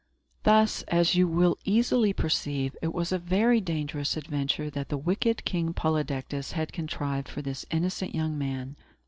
Thus, as you will easily perceive, it was a very dangerous adventure that the wicked King Polydectes had contrived for this innocent young man.